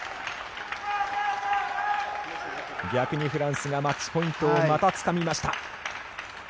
逆にフランスがマッチポイントをまたつかみました。